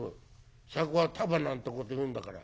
『酌は髱』なんてこというんだから」。